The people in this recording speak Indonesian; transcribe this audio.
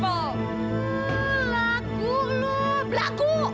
belaku lo belaku